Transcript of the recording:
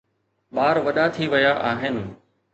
ٻار وڏا ٿي ويا آهن.